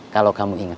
kalau kamu ingat